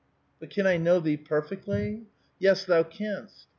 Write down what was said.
"" But can 1 know thee perfectly? "'* Yes, thou canst.